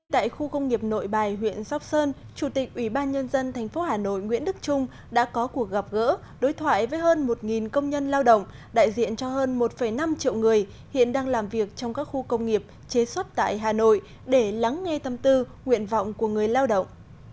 tại khu công nghiệp nội bài huyện sóc sơn chủ tịch ủy ban nhân dân thành phố hà nội nguyễn đức trung đã có cuộc gặp gỡ đối thoại với hơn một công nhân lao động đại diện cho hơn một năm triệu người hiện đang làm việc trong các khu công nghiệp chế xuất tại hà nội để lắng nghe tâm tư nguyện vọng của người lao động